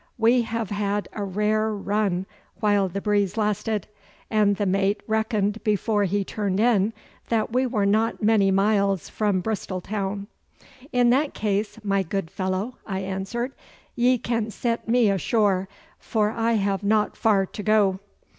'We have had a rare run while the breeze lasted, and the mate reckoned before he turned in that we were not many miles from Bristol town.' 'In that case, my good fellow,' I answered, 'ye can set me ashore, for I have not far to go.